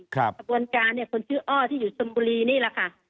กรรมการที่อยู่สมบูรณ์นี่ล่ะค่ะ